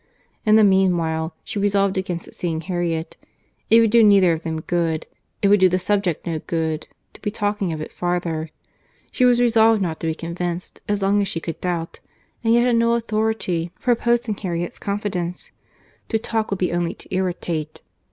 In the meanwhile, she resolved against seeing Harriet.—It would do neither of them good, it would do the subject no good, to be talking of it farther.—She was resolved not to be convinced, as long as she could doubt, and yet had no authority for opposing Harriet's confidence. To talk would be only to irritate.